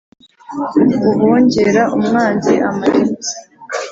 Uhongera umwanzi amara inka